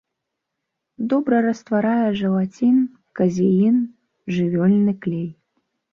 Добра растварае жэлацін, казеін, жывёльны клей.